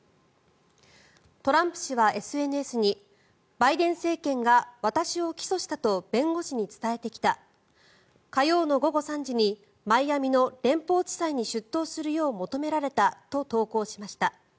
トランプ氏はＳＮＳにバイデン政権が私を起訴したと弁護士に伝えてきた火曜の午後３時にマイアミの連邦地裁に出頭するよう求められたと投稿しました。